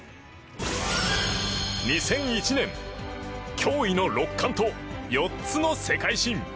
２００１年、驚異の６冠と４つの世界新。